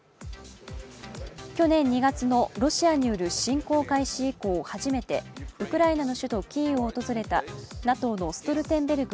去年２月のロシアによる侵攻開始以降、初めてウクライナの首都キーウを訪れたＮＡＴＯのストルテンベルグ